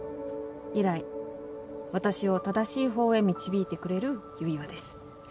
以来私を正しいほうへ導いてくれる指輪です。